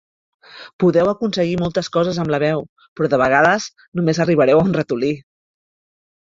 Podeu aconseguir moltes coses amb la veu, però de vegades només arribareu a un ratolí.